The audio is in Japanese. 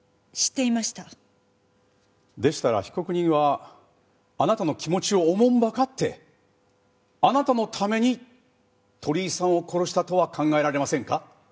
でしたら被告人はあなたの気持ちをおもんばかってあなたのために鳥居さんを殺したとは考えられませんか？